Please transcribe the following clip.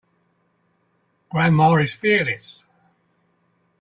Grandma is fearless.